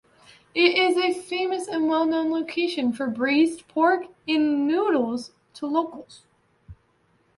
It is a famous and well-known location for braised pork in noodles to locals.